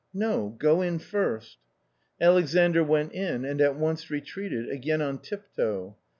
" No, go in first." Alexandr went in and at once retreated again on tip toe.